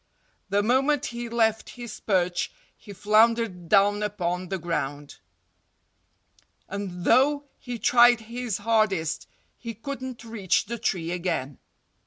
The moment he left his perch he floundered down upon the ground. And though he tried his hardest, he couldn't reach the tree again.